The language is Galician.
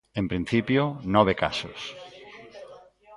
En principio, nove casos.